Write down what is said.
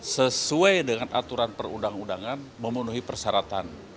sesuai dengan aturan perundang undangan memenuhi persyaratan